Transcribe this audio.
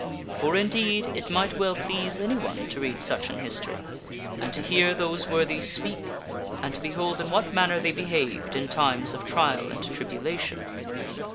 For, indeed, it might well please anyone to read such an history, and to hear those worthies speak, and to behold in what manner they behaved in times of trial and tribulation.